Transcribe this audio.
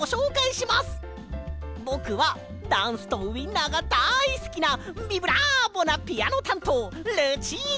ぼくはダンスとウインナーがだいすきなビブラーボなピアノたんとうルチータ！